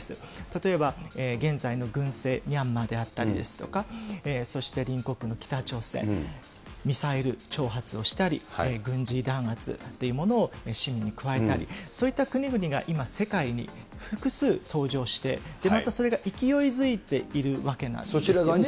例えば現在の軍政、ミャンマーであったりですとか、そして隣国の北朝鮮、ミサイル挑発をしたり、軍事弾圧というものを市民に加えたり、そういった国々が今、世界に複数登場して、またそれが勢いづいているわけなんですね。